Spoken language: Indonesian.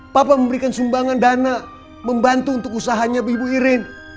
papa memberikan sumbangan dana membantu untuk usahanya ibu iren